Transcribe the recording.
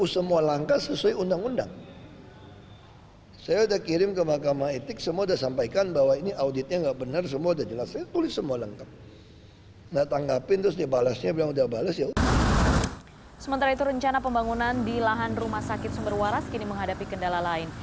sementara itu rencana pembangunan di lahan rumah sakit sumber waras kini menghadapi kendala lain